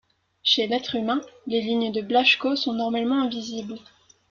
Chez l'être humain, les lignes de Blaschko sont normalement invisibles.